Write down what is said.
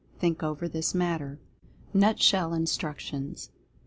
Think over this matter. NUTSHELL INSTRUCTIONS.